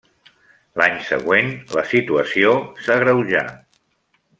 L'any següent, la situació s'agreujà.